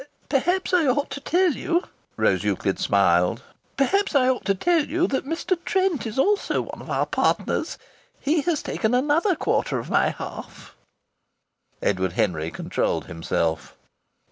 "Perhaps I ought to tell you," Rose Euclid smiled, "perhaps I ought to tell you that Mr. Trent is also one of our partners. He has taken another quarter of my half." Edward Henry controlled himself.